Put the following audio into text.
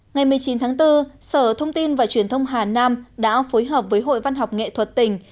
ngày một mươi chín tháng bốn sở thông tin và truyền thông hà nam đã phối hợp với hội văn học nghệ thuật tỉnh